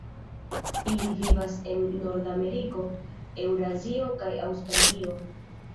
Ili vivas en Nordameriko, Eŭrazio kaj Aŭstralio.